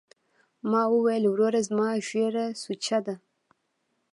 ما وويل وروره زما ږيره سوچه ده.